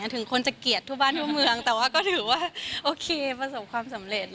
ถึงคนจะเกลียดทั่วบ้านทั่วเมืองแต่ว่าก็ถือว่าโอเคประสบความสำเร็จ